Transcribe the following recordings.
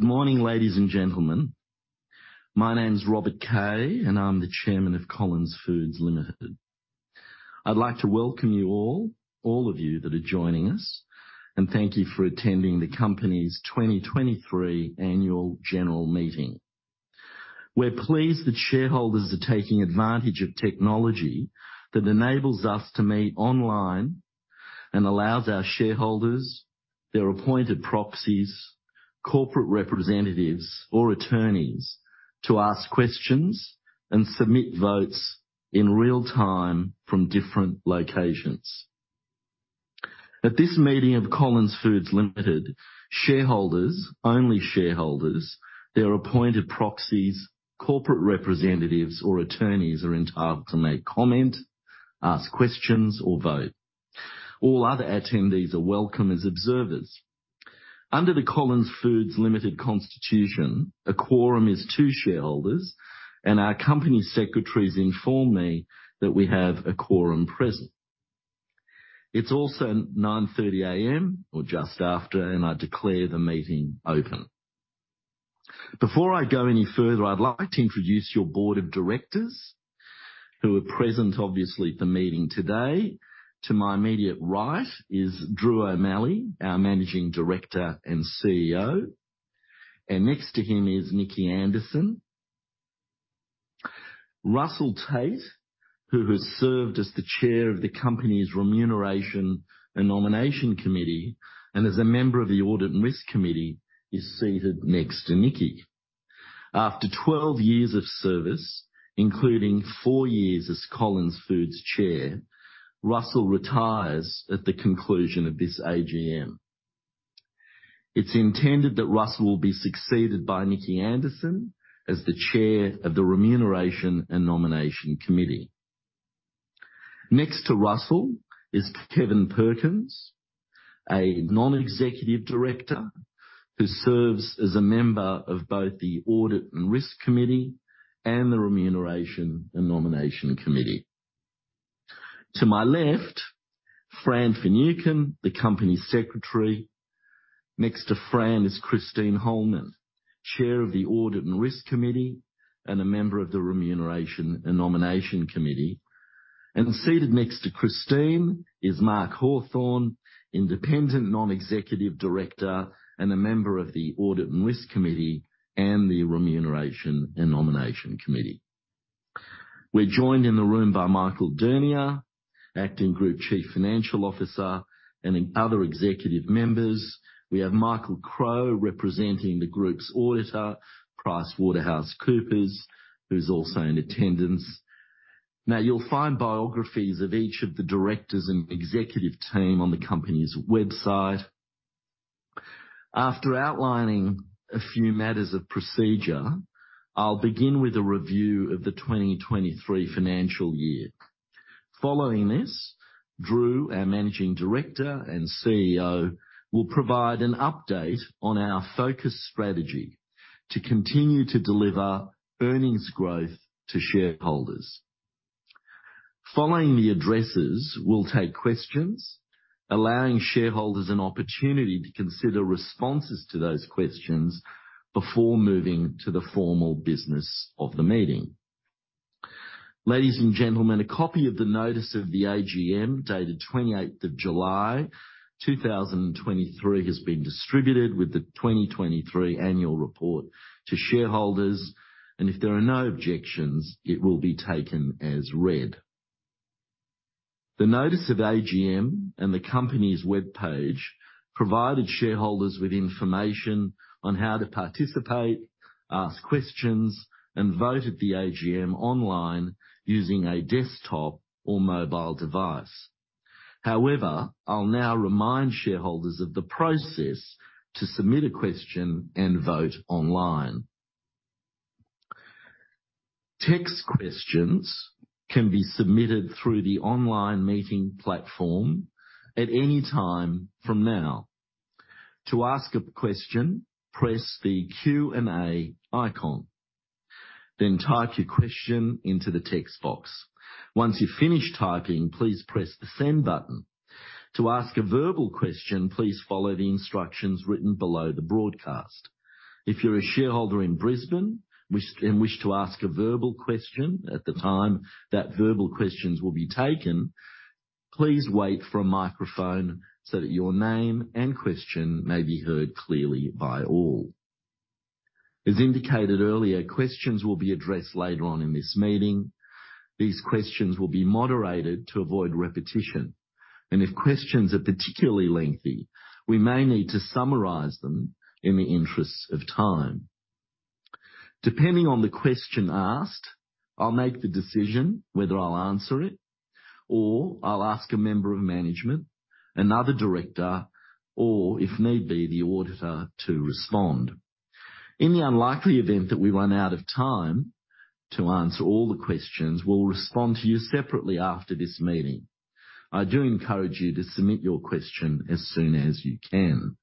Good morning, ladies and gentlemen. My name is Robert Kaye, and I'm the Chairman of Collins Foods Limited. I'd like to welcome you all, all of you that are joining us, and thank you for attending the company's 2023 annual general meeting. We're pleased that shareholders are taking advantage of technology that enables us to meet online and allows our shareholders, their appointed proxies, corporate representatives, or attorneys to ask questions and submit votes in real time from different locations. At this meeting of Collins Foods Limited, shareholders, only shareholders, their appointed proxies, corporate representatives, or attorneys are entitled to make comment, ask questions, or vote. All other attendees are welcome as observers. Under the Collins Foods Limited Constitution, a quorum is two shareholders, and our company secretaries inform me that we have a quorum present. It's also 9:30 A.M. or just after, and I declare the meeting open. Before I go any further, I'd like to introduce your board of directors who are present, obviously, at the meeting today. To my immediate right is Drew O'Malley, our Managing Director and CEO, and next to him is Nicki Anderson. Russell Tate, who has served as the Chair of the company's Remuneration and Nomination Committee and as a member of the Audit and Risk Committee, is seated next to Nicki. After 12 years of service, including four years as Collins Foods Chair, Russell retires at the conclusion of this AGM. It's intended that Russell will be succeeded by Nicki Anderson as the Chair of the Remuneration and Nomination Committee. Next to Russell is Kevin Perkins, a Non-executive Director who serves as a member of both the Audit and Risk Committee and the Remuneration and Nomination Committee. To my left, Fran Finucan, the Company Secretary. Next to Fran is Christine Holman, Chair of the Audit and Risk Committee and a member of the Remuneration and Nomination Committee. And seated next to Christine is Mark Hawthorne, Independent Non-Executive Director and a member of the Audit and Risk Committee and the Remuneration and Nomination Committee. We're joined in the room by Michael Dernier, Acting Group Chief Financial Officer, and other executive members. We have Michael Crowe, representing the group's auditor, PricewaterhouseCoopers, who's also in attendance. Now, you'll find biographies of each of the directors and executive team on the company's website. After outlining a few matters of procedure, I'll begin with a review of the 2023 FY. Following this, Drew, our Managing Director and CEO, will provide an update on our focus strategy to continue to deliver earnings growth to shareholders. Following the addresses, we'll take questions, allowing shareholders an opportunity to consider responses to those questions before moving to the formal business of the meeting. Ladies and gentlemen, a copy of the notice of the AGM, dated 28 July 2023, has been distributed with the 2023 annual report to shareholders, and if there are no objections, it will be taken as read. The notice of AGM and the company's webpage provided shareholders with information on how to participate, ask questions, and vote at the AGM online using a desktop or mobile device. However, I'll now remind shareholders of the process to submit a question and vote online. Text questions can be submitted through the online meeting platform at any time from now. To ask a question, press the Q&A icon, then type your question into the text box. Once you've finished typing, please press the send button. To ask a verbal question, please follow the instructions written below the broadcast. If you're a shareholder in Brisbane and wish to ask a verbal question at the time that verbal questions will be taken, please wait for a microphone so that your name and question may be heard clearly by all. As indicated earlier, questions will be addressed later on in this meeting. These questions will be moderated to avoid repetition, and if questions are particularly lengthy, we may need to summarize them in the interests of time. Depending on the question asked, I'll make the decision whether I'll answer it, or I'll ask a member of management, another director, or if need be, the auditor to respond. In the unlikely event that we run out of time to answer all the questions, we'll respond to you separately after this meeting. I do encourage you to submit your question as soon as you can.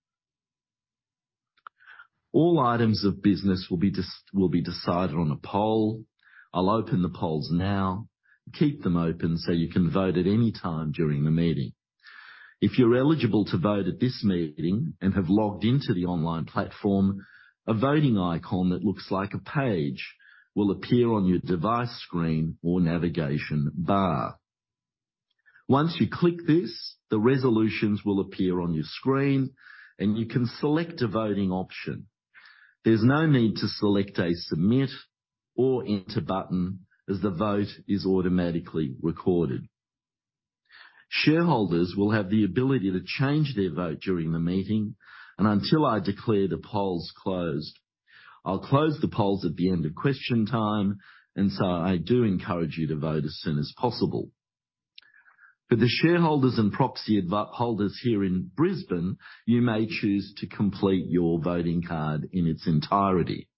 All items of business will be decided on a poll. I'll open the polls now. Keep them open so you can vote at any time during the meeting. If you're eligible to vote at this meeting and have logged into the online platform, a voting icon that looks like a page will appear on your device screen or navigation bar. Once you click this, the resolutions will appear on your screen, and you can select a voting option. There's no need to select a Submit or Enter button, as the vote is automatically recorded. Shareholders will have the ability to change their vote during the meeting and until I declare the polls closed. I'll close the polls at the end of question time, and so I do encourage you to vote as soon as possible. For the shareholders and proxy holders here in Brisbane, you may choose to complete your voting card in its entirety.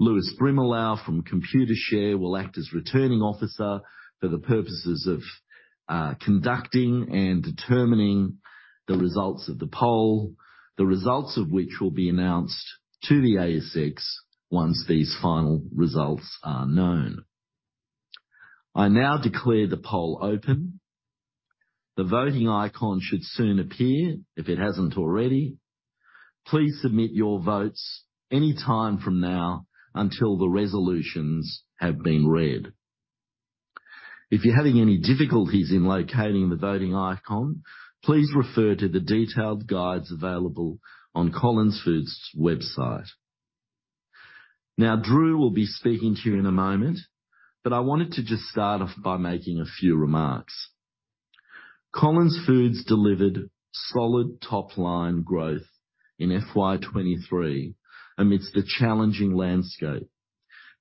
Lewis Brimelow from Computershare will act as Returning Officer for the purposes of conducting and determining the results of the poll, the results of which will be announced to the ASX once these final results are known. I now declare the poll open. The voting icon should soon appear, if it hasn't already. Please submit your votes any time from now until the resolutions have been read. If you're having any difficulties in locating the voting icon, please refer to the detailed guides available on Collins Foods' website. Now, Drew will be speaking to you in a moment, but I wanted to just start off by making a few remarks. Collins Foods delivered solid top-line growth in FY 2023 amidst the challenging landscape,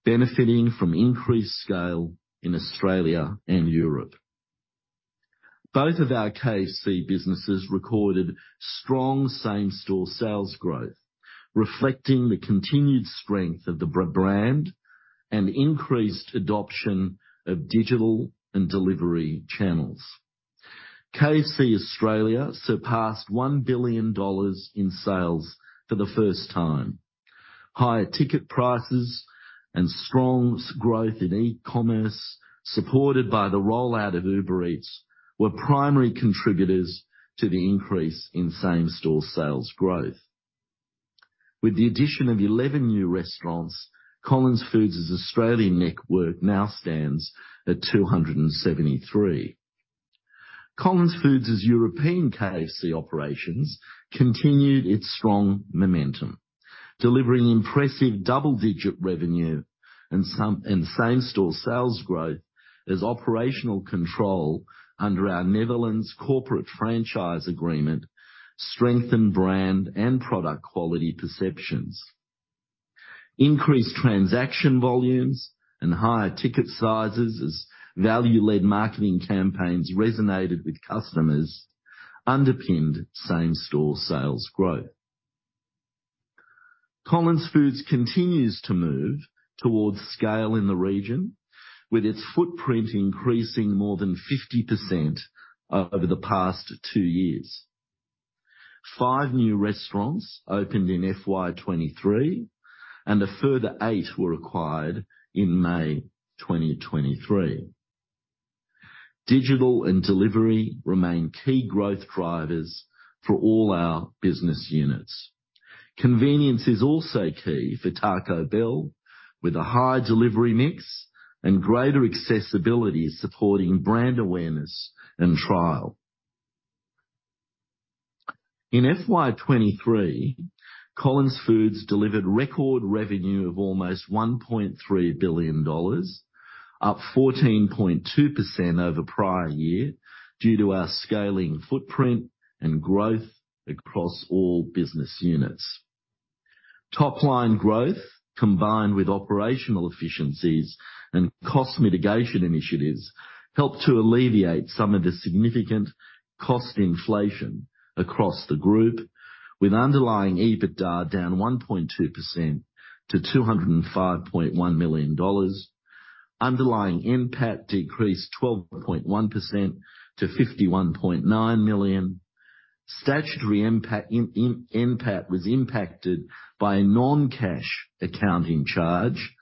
benefiting from increased scale in Australia and Europe. Both of our KFC businesses recorded strong same-store sales growth, reflecting the continued strength of the brand and increased adoption of digital and delivery channels. KFC Australia surpassed 1 billion dollars in sales for the first time. Higher ticket prices and strong growth in e-commerce, supported by the rollout of Uber Eats, were primary contributors to the increase in same-store sales growth. With the addition of 11 new restaurants, Collins Foods' Australian network now stands at 273. Collins Foods' European KFC operations continued its strong momentum, delivering impressive double-digit revenue and same-store sales growth, as operational control under our Netherlands corporate franchise agreement strengthened brand and product quality perceptions. Increased transaction volumes and higher ticket sizes, as value-led marketing campaigns resonated with customers, underpinned same-store sales growth. Collins Foods continues to move towards scale in the region, with its footprint increasing more than 50% over the past two years. Five new restaurants opened in FY 2023, and a further eight were acquired in May 2023. Digital and delivery remain key growth drivers for all our business units. Convenience is also key for Taco Bell, with a high delivery mix and greater accessibility supporting brand awareness and trial. In FY 2023, Collins Foods delivered record revenue of almost 1.3 billion dollars, up 14.2% over prior year, due to our scaling footprint and growth across all business units. Topline growth, combined with operational efficiencies and cost mitigation initiatives, helped to alleviate some of the significant cost inflation across the group, with underlying EBITDA down 1.2% to 205.1 million dollars. Underlying NPAT decreased 12.1% to 51.9 million. Statutory NPAT was impacted by a non-cash accounting charge,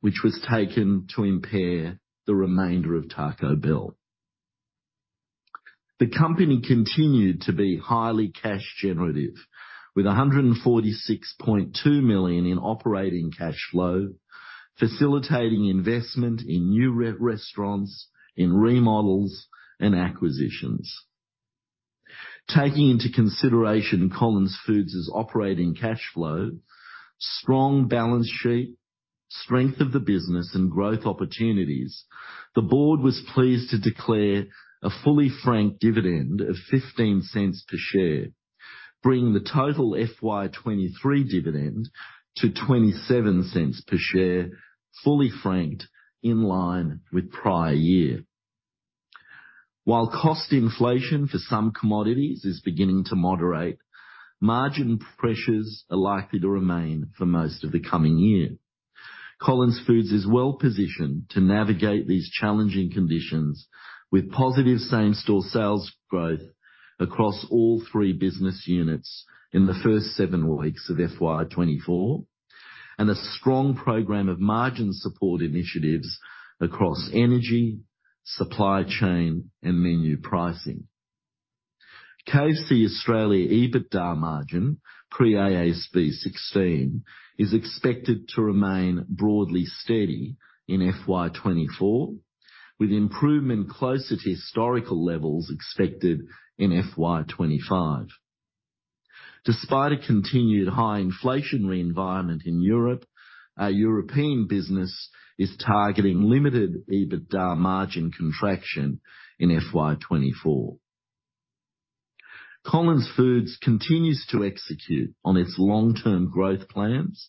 which was taken to impair the remainder of Taco Bell. The company continued to be highly cash generative, with 146.2 million in operating cash flow, facilitating investment in new restaurants, in remodels, and acquisitions. Taking into consideration Collins Foods' operating cash flow, strong balance sheet, strength of the business, and growth opportunities, the board was pleased to declare a fully franked dividend of 0.15 per share, bringing the total FY 2023 dividend to 0.27 per share, fully franked, in line with prior year. While cost inflation for some commodities is beginning to moderate, margin pressures are likely to remain for most of the coming year. Collins Foods is well positioned to navigate these challenging conditions, with positive same-store sales growth across all 3 business units in the first seven weeks of FY 2024, and a strong program of margin support initiatives across energy, supply chain, and menu pricing. KFC Australia EBITDA margin, pre-AASB 16, is expected to remain broadly steady in FY 2024, with improvement closer to historical levels expected in FY 2025. Despite a continued high inflationary environment in Europe, our European business is targeting limited EBITDA margin contraction in FY 2024. Collins Foods continues to execute on its long-term growth plans,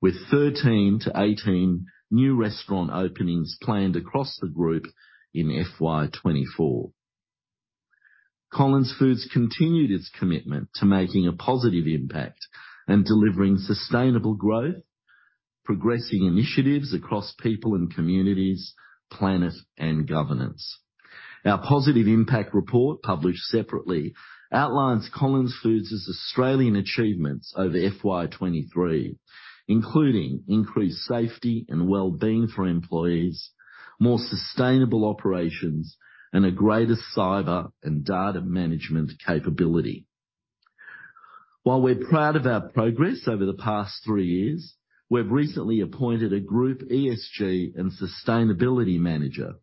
with 13-18 new restaurant openings planned across the group in FY 2024. Collins Foods continued its commitment to making a positive impact and delivering sustainable growth, progressing initiatives across people and communities, planet, and governance. Our positive impact report, published separately, outlines Collins Foods' Australian achievements over FY 2023, including increased safety and well-being for employees, more sustainable operations, and a greater cyber and data management capability. While we're proud of our progress over the past three years, we've recently appointed a group ESG and sustainability manager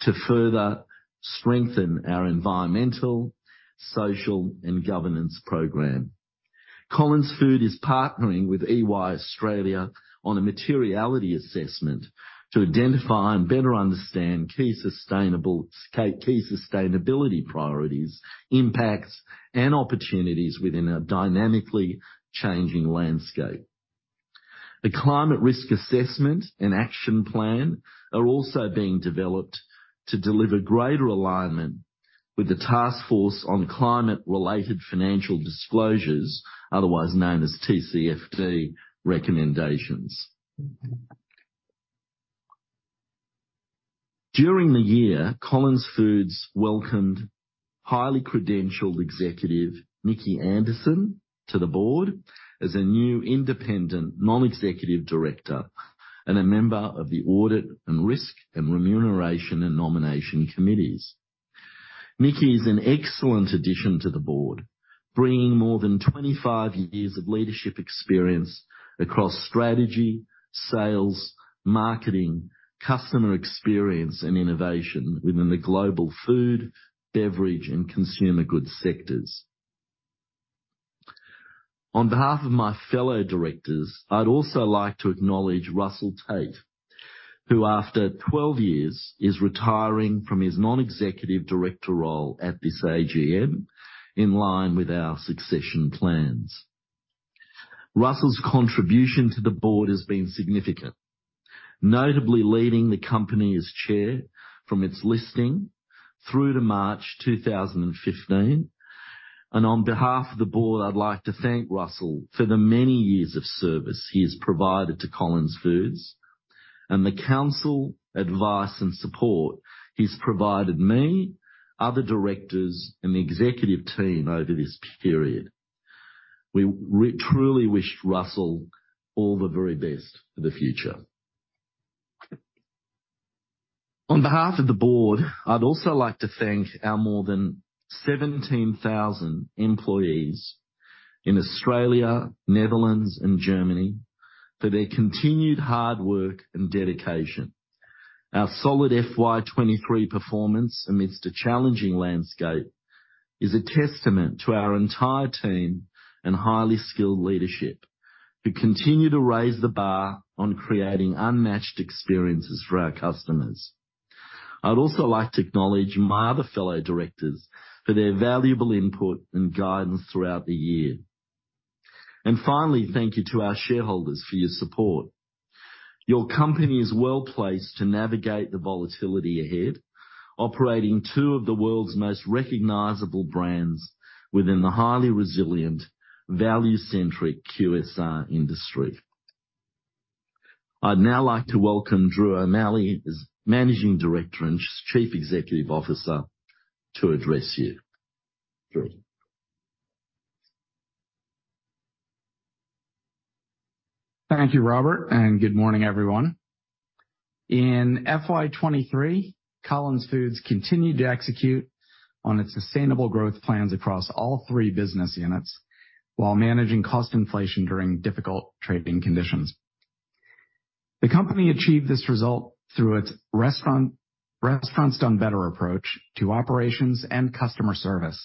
to further strengthen our environmental, social, and governance program. Collins Foods is partnering with EY Australia on a materiality assessment to identify and better understand key sustainability priorities, impacts, and opportunities within a dynamically changing landscape. A climate risk assessment and action plan are also being developed to deliver greater alignment with the Task Force on Climate-related Financial Disclosures, otherwise known as TCFD, recommendations. During the year, Collins Foods welcomed highly credentialed executive, Nicki Anderson, to the board as a new independent non-executive director and a member of the Audit and Risk, and Remuneration and Nomination Committees. Nicki is an excellent addition to the board, bringing more than 25 years of leadership experience across strategy, sales, marketing, customer experience, and innovation within the global food, beverage, and consumer goods sectors. On behalf of my fellow directors, I'd also like to acknowledge Russell Tate, who, after 12 years, is retiring from his non-executive director role at this AGM, in line with our succession plans. Russell's contribution to the board has been significant, notably leading the company as chair from its listing through to March 2015. On behalf of the board, I'd like to thank Russell for the many years of service he has provided to Collins Foods and the counsel, advice, and support he's provided me, other directors and the executive team over this period. We truly wish Russell all the very best for the future. On behalf of the board, I'd also like to thank our more than 17,000 employees in Australia, Netherlands, and Germany, for their continued hard work and dedication. Our solid FY 2023 performance amidst a challenging landscape is a testament to our entire team and highly skilled leadership, who continue to raise the bar on creating unmatched experiences for our customers. I'd also like to acknowledge my other fellow directors for their valuable input and guidance throughout the year. Finally, thank you to our shareholders for your support. Your company is well-placed to navigate the volatility ahead, operating two of the world's most recognizable brands within the highly resilient, value-centric QSR industry. I'd now like to welcome Drew O'Malley, as Managing Director and Chief Executive Officer, to address you. Drew? Thank you, Robert, and good morning, everyone. In FY 2023, Collins Foods continued to execute on its sustainable growth plans across all three business units while managing cost inflation during difficult trading conditions. The company achieved this result through its restaurant, Restaurants Done Better approach to operations and customer service,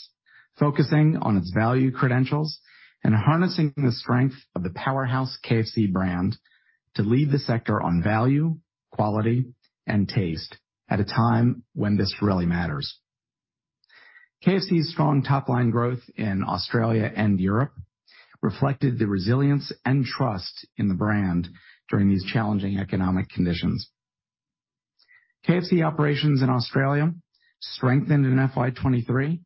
focusing on its value credentials and harnessing the strength of the powerhouse KFC brand to lead the sector on value, quality, and taste at a time when this really matters. KFC's strong top-line growth in Australia and Europe reflected the resilience and trust in the brand during these challenging economic conditions. KFC operations in Australia strengthened in FY 2023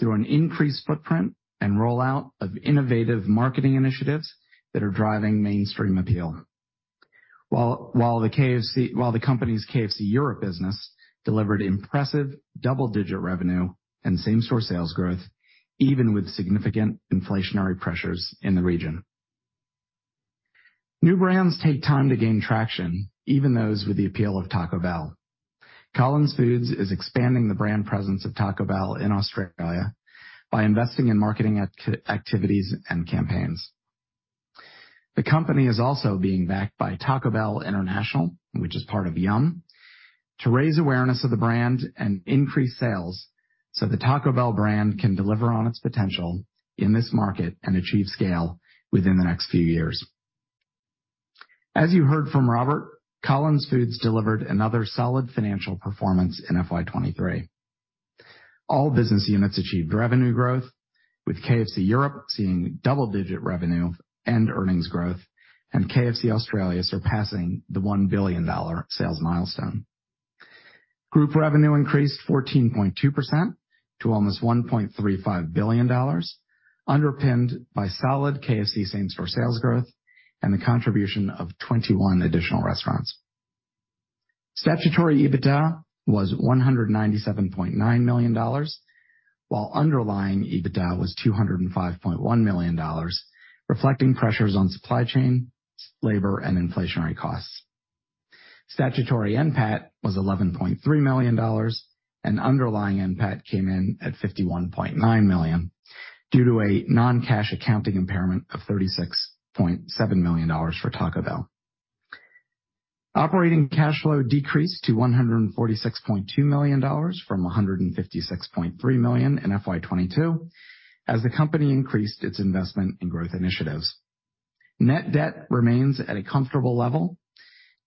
through an increased footprint and rollout of innovative marketing initiatives that are driving mainstream appeal. While the company's KFC Europe business delivered impressive double-digit revenue and same-store sales growth, even with significant inflationary pressures in the region. New brands take time to gain traction, even those with the appeal of Taco Bell. Collins Foods is expanding the brand presence of Taco Bell in Australia by investing in marketing activities and campaigns. The company is also being backed by Taco Bell International, which is part of Yum, to raise awareness of the brand and increase sales so the Taco Bell brand can deliver on its potential in this market and achieve scale within the next few years. As you heard from Robert, Collins Foods delivered another solid financial performance in FY 2023. All business units achieved revenue growth, with KFC Europe seeing double-digit revenue and earnings growth, and KFC Australia surpassing the 1 billion dollar sales milestone. Group revenue increased 14.2% to almost 1.35 billion dollars, underpinned by solid KFC same-store sales growth and the contribution of 21 additional restaurants. Statutory EBITDA was 197.9 million dollars, while underlying EBITDA was 205.1 million dollars, reflecting pressures on supply chain, labor, and inflationary costs. Statutory NPAT was 11.3 million dollars, and underlying NPAT came in at 51.9 million due to a non-cash accounting impairment of 36.7 million dollars for Taco Bell. Operating cash flow decreased to 146.2 million dollars from 156.3 million in FY 2022 as the company increased its investment in growth initiatives. Net debt remains at a comfortable level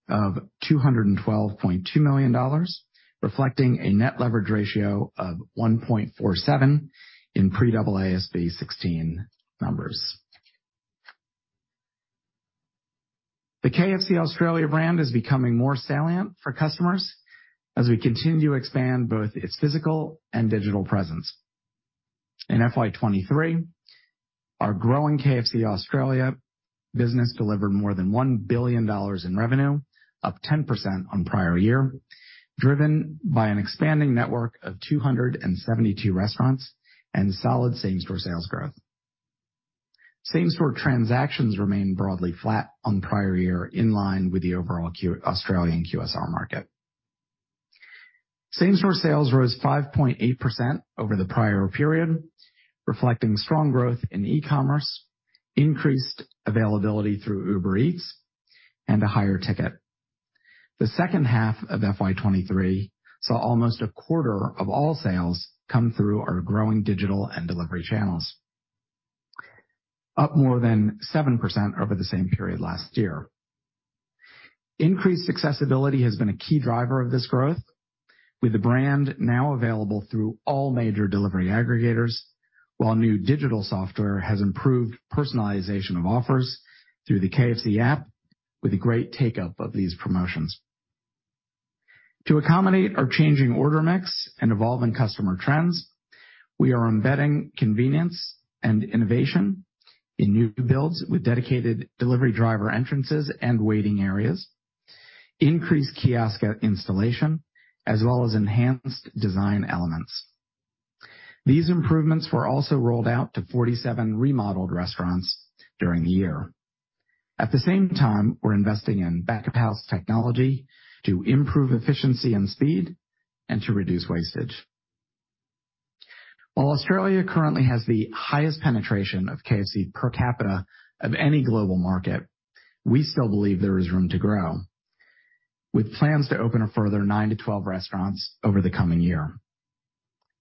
of 212.2 million dollars, reflecting a net leverage ratio of 1.47 in pre-AASB 16 numbers. The KFC Australia brand is becoming more salient for customers as we continue to expand both its physical and digital presence. In FY 2023, our growing KFC Australia business delivered more than 1 billion dollars in revenue, up 10% on prior year, driven by an expanding network of 272 restaurants and solid same-store sales growth. Same-store transactions remained broadly flat on prior year, in line with the overall Australian QSR market. Same-store sales rose 5.8% over the prior period, reflecting strong growth in e-commerce, increased availability through Uber Eats, and a higher ticket. The H2 of FY 2023 saw almost a quarter of all sales come through our growing digital and delivery channels, up more than 7% over the same period last year. Increased accessibility has been a key driver of this growth, with the brand now available through all major delivery aggregators, while new digital software has improved personalization of offers through the KFC app, with a great take-up of these promotions. To accommodate our changing order mix and evolving customer trends, we are embedding convenience and innovation in new builds with dedicated delivery driver entrances and waiting areas, increased kiosk installation, as well as enhanced design elements. These improvements were also rolled out to 47 remodeled restaurants during the year. At the same time, we're investing in back-of-house technology to improve efficiency and speed and to reduce wastage. While Australia currently has the highest penetration of KFC per capita of any global market, we still believe there is room to grow, with plans to open a further nine-12 restaurants over the coming year.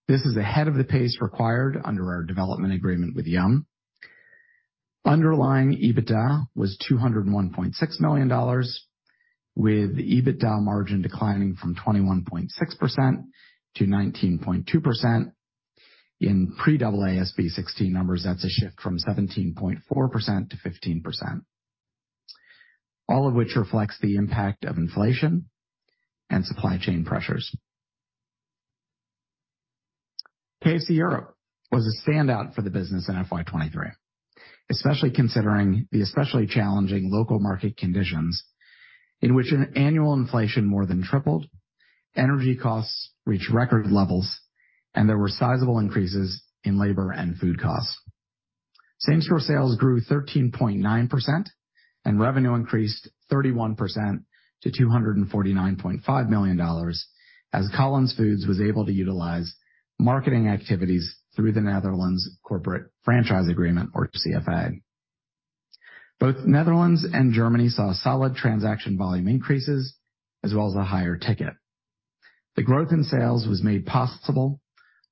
This is ahead of the pace required under our development agreement with Yum. Underlying EBITDA was 201.6 million dollars, with EBITDA margin declining from 21.6-19.2%. In pre-AASB 16 numbers, that's a shift from 17.4-15%, all of which reflects the impact of inflation and supply chain pressures. KFC Europe was a standout for the business in FY 2023, especially considering the especially challenging local market conditions in which annual inflation more than tripled, energy costs reached record levels, and there were sizable increases in labor and food costs. Same-store sales grew 13.9%, and revenue increased 31% to 249.5 million dollars, as Collins Foods was able to utilize marketing activities through the Netherlands Corporate Franchise Agreement or CFA. Both Netherlands and Germany saw solid transaction volume increases as well as a higher ticket. The growth in sales was made possible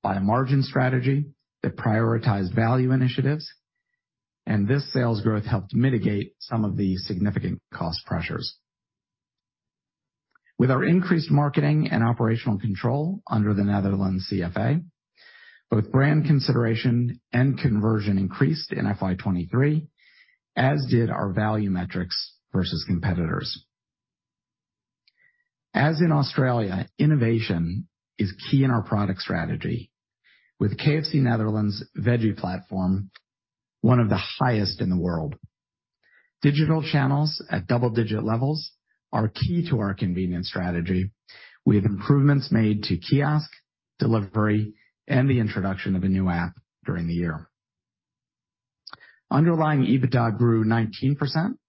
by a margin strategy that prioritized value initiatives, and this sales growth helped mitigate some of the significant cost pressures. With our increased marketing and operational control under the Netherlands CFA, both brand consideration and conversion increased in FY 2023, as did our value metrics versus competitors. As in Australia, innovation is key in our product strategy, with KFC Netherlands' veggie platform, one of the highest in the world. Digital channels at double-digit levels are key to our convenience strategy, with improvements made to kiosk delivery, and the introduction of a new app during the year. Underlying EBITDA grew 19%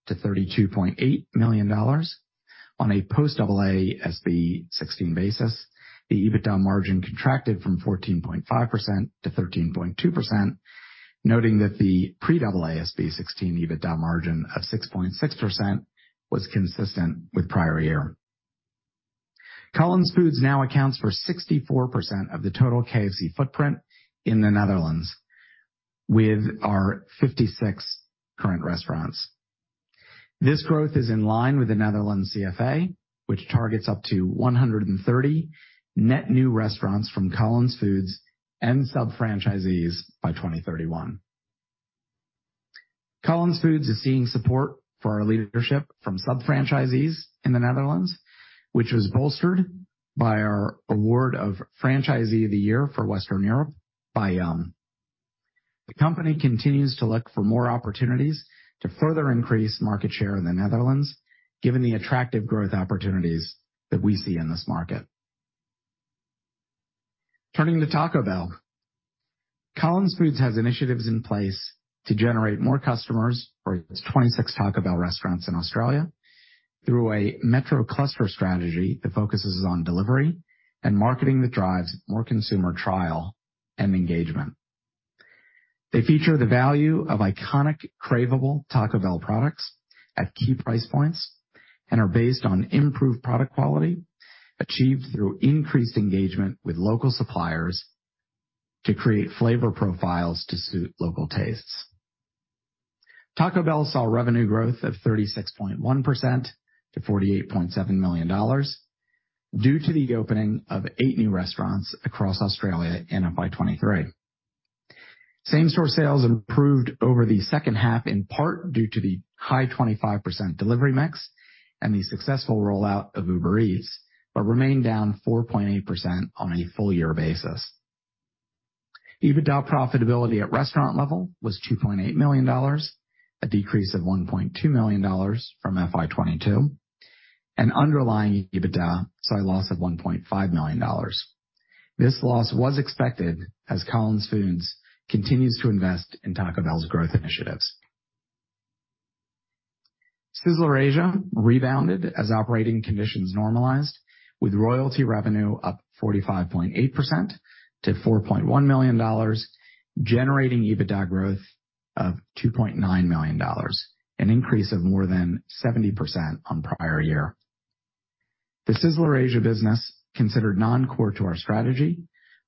to 32.8 million dollars on a post AASB 16 basis. The EBITDA margin contracted from 14.5-13.2%, noting that the pre-AASB 16 EBITDA margin of 6.6% was consistent with prior year. Collins Foods now accounts for 64% of the total KFC footprint in the Netherlands, with our 56 current restaurants. This growth is in line with the Netherlands CFA, which targets up to 130 net new restaurants from Collins Foods and sub-franchisees by 2031. Collins Foods is seeing support for our leadership from sub-franchisees in the Netherlands, which was bolstered by our award of Franchisee of the Year for Western Europe by. The company continues to look for more opportunities to further increase market share in the Netherlands, given the attractive growth opportunities that we see in this market. Turning to Taco Bell. Collins Foods has initiatives in place to generate more customers for its 26 Taco Bell restaurants in Australia through a metro cluster strategy that focuses on delivery and marketing that drives more consumer trial and engagement. They feature the value of iconic, cravable Taco Bell products at key price points and are based on improved product quality, achieved through increased engagement with local suppliers to create flavor profiles to suit local tastes. Taco Bell saw revenue growth of 36.1% to 48.7 million dollars due to the opening of eight new restaurants across Australia in FY 2023. Same-store sales improved over the H2, in part due to the high 25% delivery mix and the successful rollout of Uber Eats, but remained down 4.8% on a full year basis. EBITDA profitability at restaurant level was 2.8 million dollars, a decrease of 1.2 million dollars from FY 2022, and underlying EBITDA saw a loss of 1.5 million dollars. This loss was expected as Collins Foods continues to invest in Taco Bell's growth initiatives. Sizzler Asia rebounded as operating conditions normalized, with royalty revenue up 45.8% to 4.1 million dollars, generating EBITDA growth of 2.9 million dollars, an increase of more than 70% on prior year. The Sizzler Asia business, considered non-core to our strategy,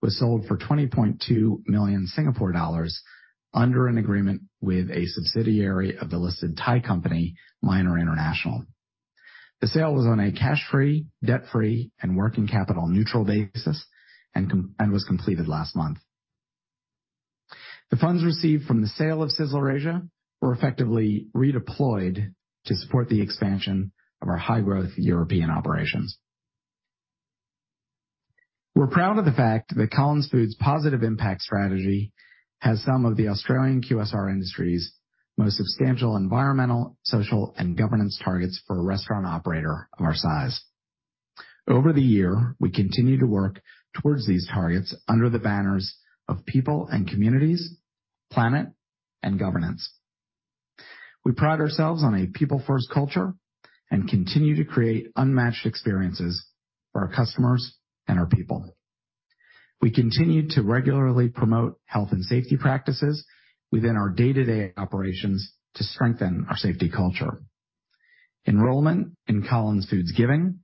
was sold for 20.2 million Singapore dollars under an agreement with a subsidiary of the listed Thai company, Minor International. The sale was on a cash-free, debt-free, and working capital neutral basis and was completed last month. The funds received from the sale of Sizzler Asia were effectively redeployed to support the expansion of our high-growth European operations. We're proud of the fact that Collins Foods' positive impact strategy has some of the Australian QSR industry's most substantial environmental, social, and governance targets for a restaurant operator of our size. Over the year, we continued to work towards these targets under the banners of people and communities, planet, and governance. We pride ourselves on a people-first culture and continue to create unmatched experiences for our customers and our people. We continued to regularly promote health and safety practices within our day-to-day operations to strengthen our safety culture. Enrollment in Collins Foods Giving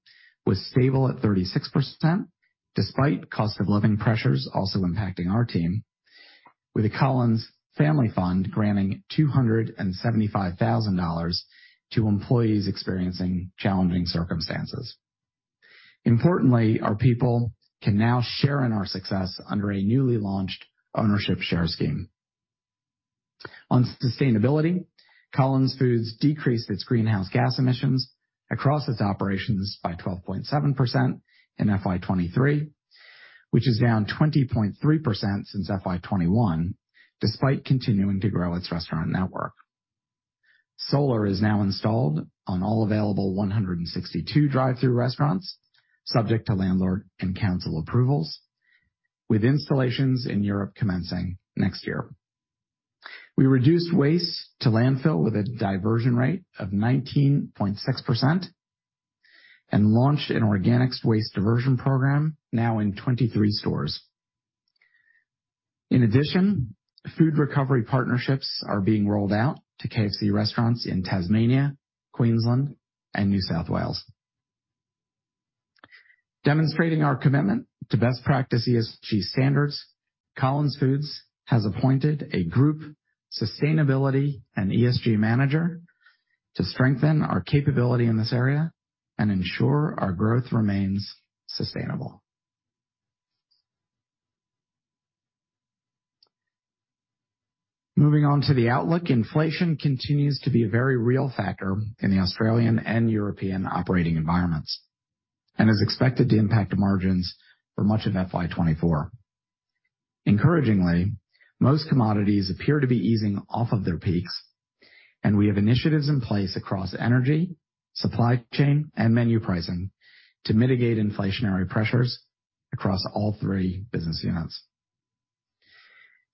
was stable at 36%, despite cost of living pressures also impacting our team, with the Collins Family Fund granting 275,000 dollars to employees experiencing challenging circumstances. Importantly, our people can now share in our success under a newly launched ownership share scheme. On sustainability, Collins Foods decreased its greenhouse gas emissions across its operations by 12.7% in FY 2023, which is down 20.3% since FY 2021, despite continuing to grow its restaurant network. Solar is now installed on all available 162 drive-thru restaurants, subject to landlord and council approvals, with installations in Europe commencing next year. We reduced waste to landfill with a diversion rate of 19.6% and launched an organics waste diversion program now in 23 stores. In addition, food recovery partnerships are being rolled out to KFC restaurants in Tasmania, Queensland, and New South Wales. Demonstrating our commitment to best practice ESG standards, Collins Foods has appointed a group sustainability and ESG manager to strengthen our capability in this area and ensure our growth remains sustainable. Moving on to the outlook. Inflation continues to be a very real factor in the Australian and European operating environments and is expected to impact margins for much of FY 2024.... Encouragingly, most commodities appear to be easing off of their peaks, and we have initiatives in place across energy, supply chain, and menu pricing to mitigate inflationary pressures across all three business units.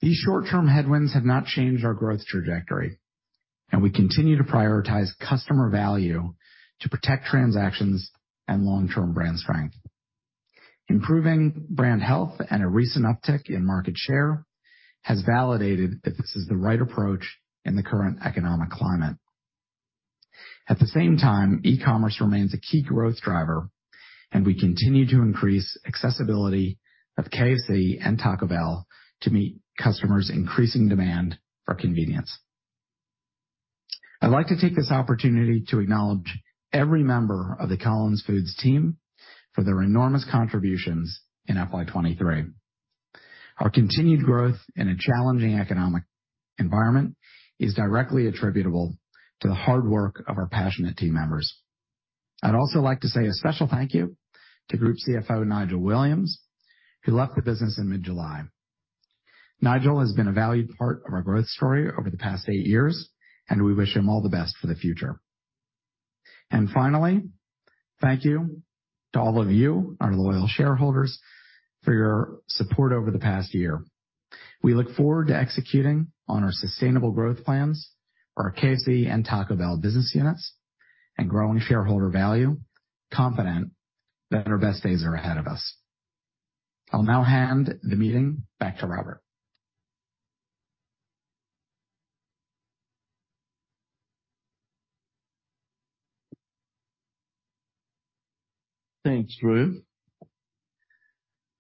These short-term headwinds have not changed our growth trajectory, and we continue to prioritize customer value to protect transactions and long-term brand strength. Improving brand health and a recent uptick in market share has validated that this is the right approach in the current economic climate. At the same time, e-commerce remains a key growth driver, and we continue to increase accessibility of KFC and Taco Bell to meet customers' increasing demand for convenience. I'd like to take this opportunity to acknowledge every member of the Collins Foods team for their enormous contributions in FY 2023. Our continued growth in a challenging economic environment is directly attributable to the hard work of our passionate team members. I'd also like to say a special thank you to Group CFO Nigel Williams, who left the business in mid-July. Nigel has been a valued part of our growth story over the past eight years, and we wish him all the best for the future. Finally, thank you to all of you, our loyal shareholders, for your support over the past year. We look forward to executing on our sustainable growth plans for our KFC and Taco Bell business units and growing shareholder value, confident that our best days are ahead of us. I'll now hand the meeting back to Robert. Thanks, Drew.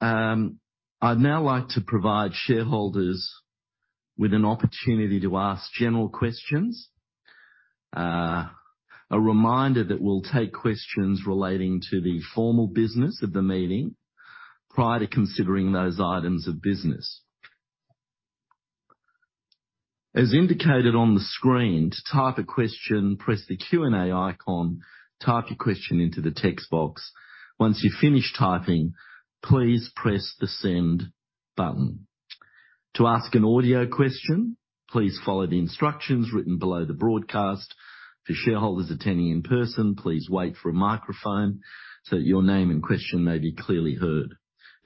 I'd now like to provide shareholders with an opportunity to ask general questions. A reminder that we'll take questions relating to the formal business of the meeting prior to considering those items of business. As indicated on the screen, to type a question, press the Q&A icon, type your question into the text box. Once you've finished typing, please press the Send button. To ask an audio question, please follow the instructions written below the broadcast. For shareholders attending in person, please wait for a microphone so that your name and question may be clearly heard.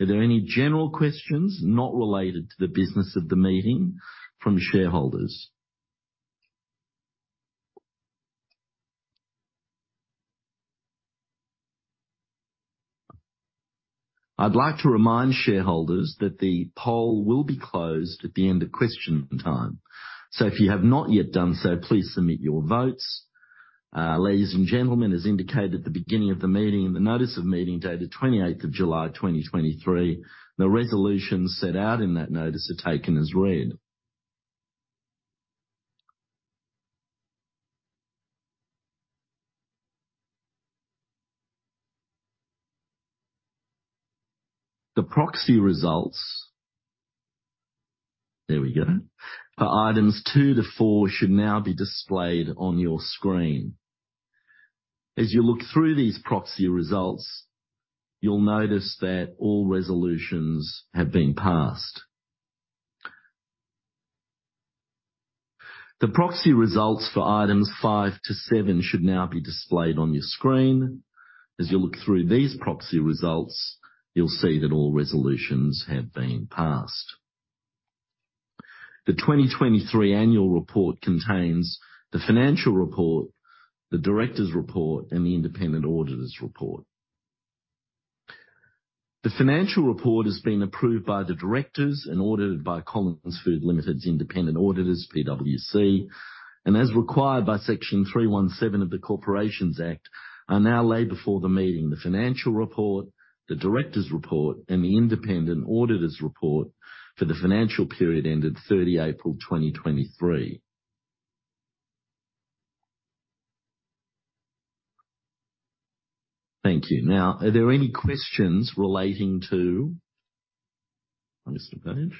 Are there any general questions, not related to the business of the meeting, from shareholders? I'd like to remind shareholders that the poll will be closed at the end of question time. If you have not yet done so, please submit your votes. Ladies and gentlemen, as indicated at the beginning of the meeting, in the notice of meeting date, the 28th of July, 2023, the resolutions set out in that notice are taken as read. The proxy results... There we go. For items two-four, should now be displayed on your screen. As you look through these proxy results, you'll notice that all resolutions have been passed. The proxy results for items five-seven should now be displayed on your screen. As you look through these proxy results, you'll see that all resolutions have been passed. The 2023 annual report contains the financial report, the directors' report, and the independent auditors' report. The financial report has been approved by the directors and audited by Collins Foods Limited's independent auditors, PwC, and as required by Section 317 of the Corporations Act, are now laid before the meeting, the financial report, the directors' report, and the independent auditors' report for the financial period ended 30 April 2023. Thank you. Now, are there any questions relating to... I'll just approach.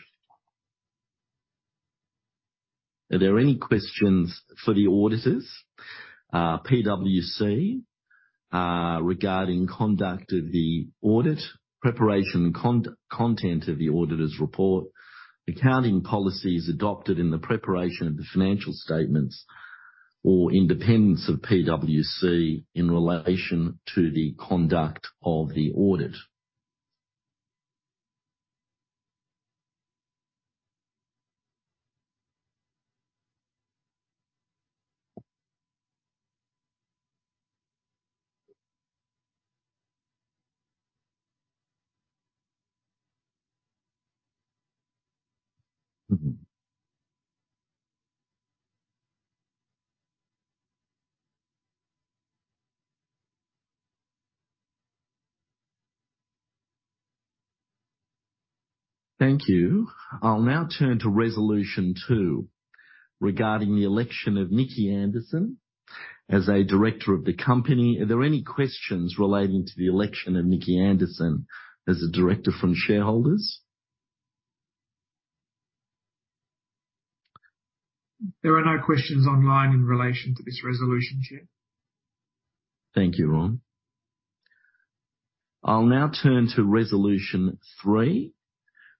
Are there any questions for the auditors, PwC, regarding conduct of the audit, preparation, content of the auditor's report, accounting policies adopted in the preparation of the financial statements, or independence of PwC in relation to the conduct of the audit? Thank you. I'll now turn to Resolution 2, regarding the election of Nicki Anderson as a director of the company. Are there any questions relating to the election of Nicki Anderson as a director from shareholders?... There are no questions online in relation to this Resolution, Chair. Thank you, Ron. I'll now turn to Resolution 3,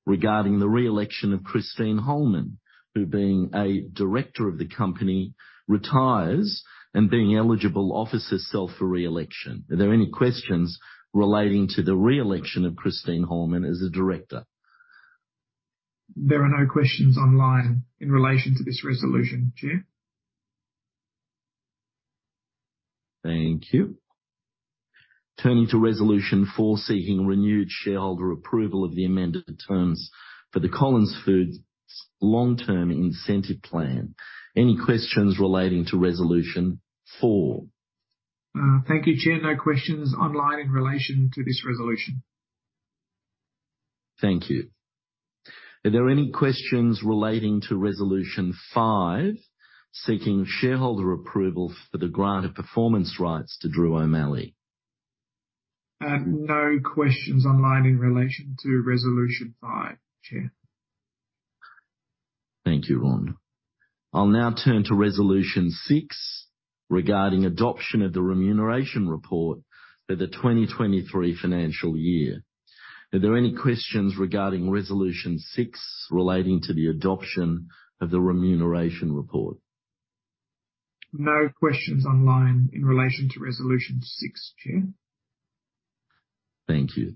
regarding the re-election of Christine Holman, who, being a director of the company, retires and being eligible, offers herself for re-election. Are there any questions relating to the re-election of Christine Holman as a director? There are no questions online in relation to this Resolution, Chair. Thank you. Turning to Resolution 4, seeking renewed shareholder approval of the amended terms for the Collins Foods Long Term Incentive Plan. Any questions relating to Resolution four? Thank you, Chair. No questions online in relation to this Resolution. Thank you. Are there any questions relating to Resolution 5, seeking shareholder approval for the grant of performance rights to Drew O'Malley? No questions online in relation to Resolution 5, Chair. Thank you, Ron. I'll now turn to Resolution 6, regarding adoption of the remuneration report for the 2023 FY. Are there any questions regarding Resolution 6, relating to the adoption of the remuneration report? No questions online in relation to Resolution 6, Chair. Thank you.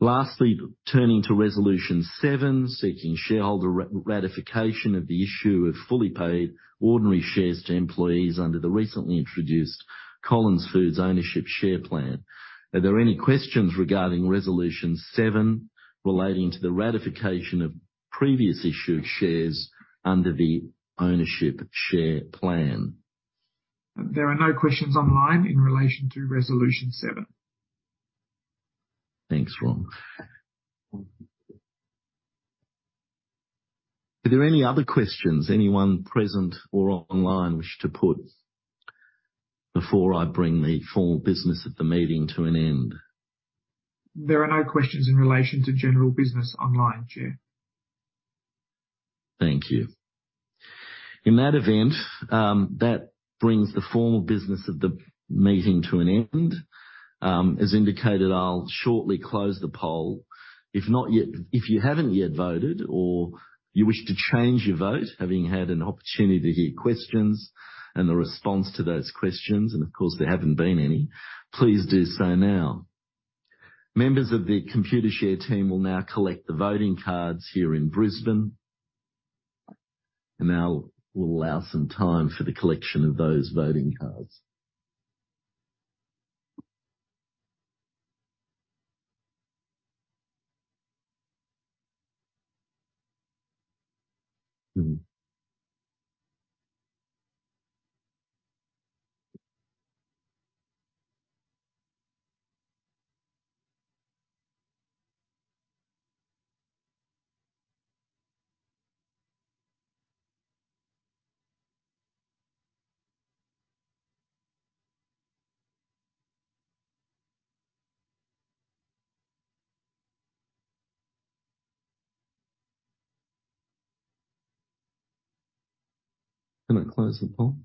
Lastly, turning to Resolution 7, seeking shareholder ratification of the issue of fully paid ordinary shares to employees under the recently introduced Collins Foods Ownership Share Plan. Are there any questions regarding Resolution 7, relating to the ratification of previous issued shares under the Ownership Share Plan? There are no questions online in relation to resolution 7. Thanks, Ron. Are there any other questions anyone present or online wish to put before I bring the formal business of the meeting to an end? There are no questions in relation to general business online, Chair. Thank you. In that event, that brings the formal business of the meeting to an end. As indicated, I'll shortly close the poll. If you haven't yet voted or you wish to change your vote, having had an opportunity to hear questions and the response to those questions, and of course, there haven't been any, please do so now. Members of the Computershare team will now collect the voting cards here in Brisbane, and I'll, we'll allow some time for the collection of those voting cards. Can I close the poll?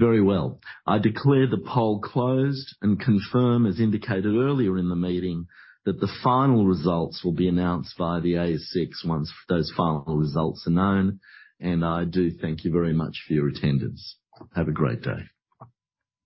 Very well. I declare the poll closed and confirm, as indicated earlier in the meeting, that the final results will be announced via the ASX once those final results are known, and I do thank you very much for your attendance. Have a great day.